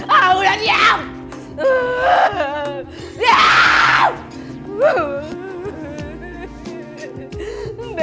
aku sudah bangun